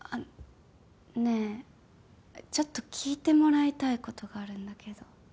ねえちょっと聞いてもらいたいことがあるんだけど。